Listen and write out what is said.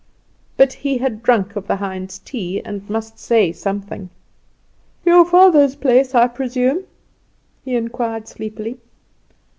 But he had drunk of the hind's tea, and must say something. "Your father's place I presume?" he inquired sleepily.